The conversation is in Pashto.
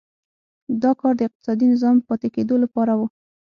دا کار د اقتصادي نظام پاتې کېدو لپاره و.